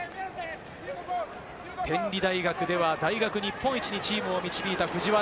天理大学では大学日本一にチームを導いた藤原。